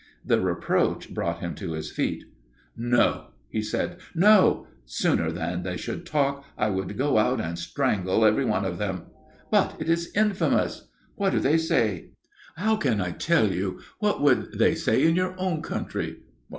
The reproach brought him to his feet. "No," said he. "No. Sooner than they should talk, I would go out and strangle every one of them. But it is infamous. What do they say?" "How can I tell you? What would they say in your own country?"